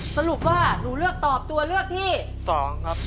สรุปว่าหนูเลือกตอบตัวเลือกที่๒ครับ